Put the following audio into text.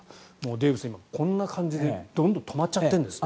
デーブさん、今こんな感じでどんどん止まっちゃってるんですね。